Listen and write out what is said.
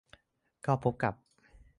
ก็พบกับ